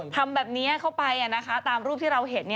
ทำแบบนี้เข้าไปตามรูปที่เราเห็น